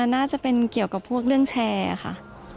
น่าจะเป็นเกี่ยวกับพวกเรื่องแชร์ค่ะ